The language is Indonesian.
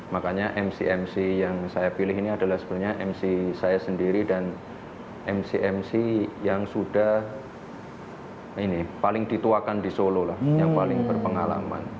makanya mc mc yang saya pilih ini adalah sebenarnya mc saya sendiri dan mc mc yang sudah ini paling dituakan di solo lah yang paling berpengalaman